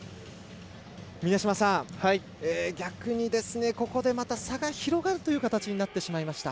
峰島さん、逆にここでまた差が広がるという形になってしまいました。